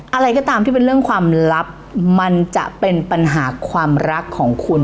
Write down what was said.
อะไรก็ตามที่เป็นเรื่องความลับมันจะเป็นปัญหาความรักของคุณ